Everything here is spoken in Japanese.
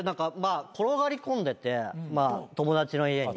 転がり込んでて友達の家に。